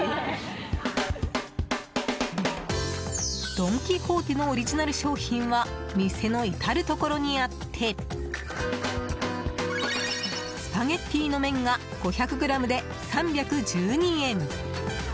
ドン・キホーテのオリジナル商品は店の至るところにあってスパゲティの麺が５００ｇで３１２円。